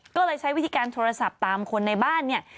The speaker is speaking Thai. ก็เลยใช้วิธีการโทรศัพท์ตามคนในบ้านเนี่ย